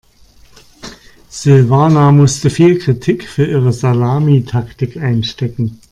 Silvana musste viel Kritik für ihre Salamitaktik einstecken.